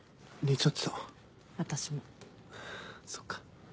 そっか。